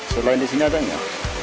selain di sini ada nggak